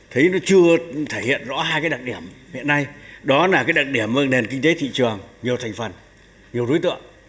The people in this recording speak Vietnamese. thấy nó chưa thể hiện rõ hai cái đặc điểm hiện nay đó là cái đặc điểm nền kinh tế thị trường nhiều thành phần nhiều đối tượng